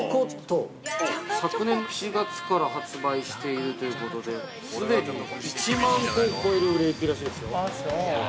◆昨年７月から発売しているということですでに１万個を超える売れ行きらしいですよ。